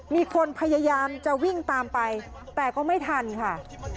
มีคนพยายามจะวิ่งตามไปแต่ก็ไม่ทันค่ะ